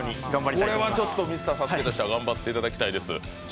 これはミスター・ＳＡＳＵＫＥとして頑張っていただきたいです。